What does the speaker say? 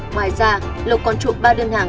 ngoài ra lộc còn trộm ba đơn hàng